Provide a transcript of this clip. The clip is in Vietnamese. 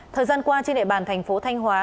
thời gian qua trên địa bàn thành phố thanh hóa